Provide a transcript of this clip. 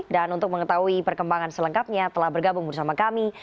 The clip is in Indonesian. dan untuk mengetahui perkembangan selengkapnya telah bergabung bersama kami